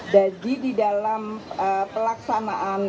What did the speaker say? jadi di dalam pelaksanaan